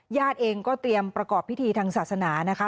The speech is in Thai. ญาติเองก็เตรียมประกอบพิธีทางศาสนานะคะ